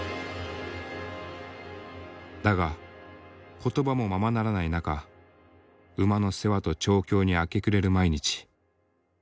だが言葉もままならない中馬の世話と調教に明け暮れる毎日。